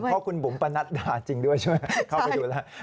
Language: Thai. เพราะคุณบุ๋มปะนัดดาจริงด้วยใช่ไหมเข้าไปดูแล้ว